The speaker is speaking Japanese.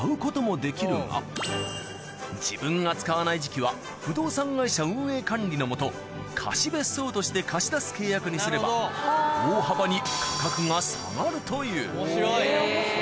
自分が使わない時期は不動産会社運営管理のもと貸別荘として貸し出す契約にすれば面白い。